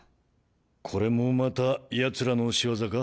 これもまたヤツらの仕業か？